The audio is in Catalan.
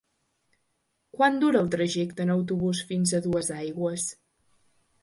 Quant dura el trajecte en autobús fins a Duesaigües?